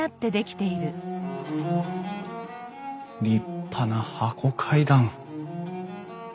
立派な箱階段！